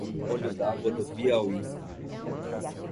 Olho d'Água do Piauí